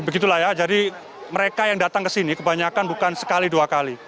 ya begitulah ya jadi mereka yang datang kesini kebanyakan bukan sekali dua kali